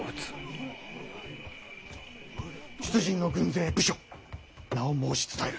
出陣の軍勢部署名を申し伝える。